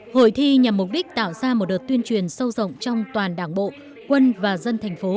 hội thi nhằm mục đích tạo ra một đợt tuyên truyền sâu rộng trong toàn đảng bộ quân và dân thành phố